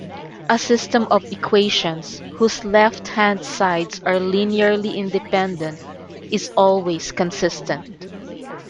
A system of equations whose left-hand sides are linearly independent is always consistent.